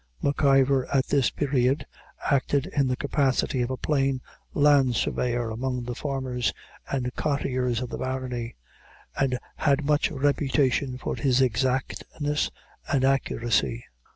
M'Ivor, at this period, acted in the capacity of a plain Land Surveyor among the farmers and cottiers of the barony, and had much reputation for his exactness and accuracy.